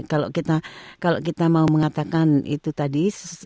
kalau kita mau mengatakan itu tadi